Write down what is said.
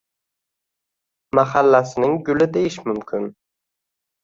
malhallasining guli deyish mumkin.